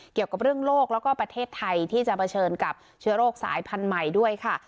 เกี่ยวกับเรื่องโลกแล้วก็ประเทศไทยที่จะเผชิญกับเชื้อโรคสายพันธุ์ใหม่ด้วยค่ะ